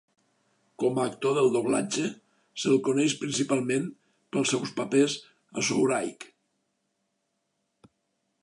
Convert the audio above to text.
Com a actor del doblatge, se'l coneix principalment pels seus papers a Soreike!